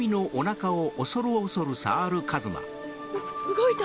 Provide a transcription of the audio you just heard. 動いた！